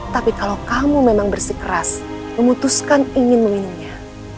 tapi kalau kamu memang bersikeras memutuskan ingin meminumnya